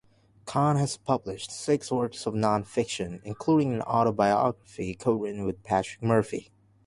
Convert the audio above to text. Khan has published six works of non-fiction, including an autobiography co-written with Patrick Murphy.